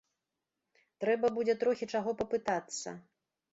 Трэба будзе трохі чаго папытацца.